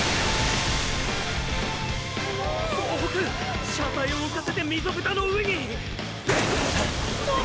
総北車体を浮かせて溝蓋の上に！！ッ！！